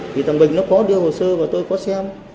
thì thằng bình nó có đưa hồ sơ và tôi có xem